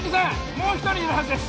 もう一人いるはずです